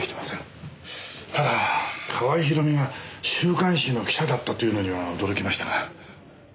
ただ川合ひろみが週刊誌の記者だったというのには驚きましたが。